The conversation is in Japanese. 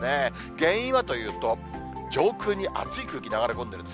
原因はというと、上空に暑い空気、流れ込んでます。